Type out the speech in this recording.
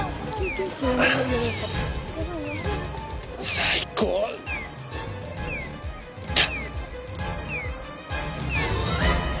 最高だ。